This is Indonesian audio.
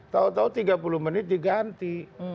tahu tahu tiga puluh menit diganti